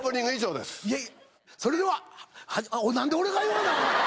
それでは何で俺が言わなアカン